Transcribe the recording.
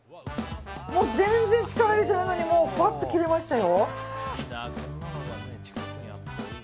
全然力入れてないのにぱっと切れましたよ。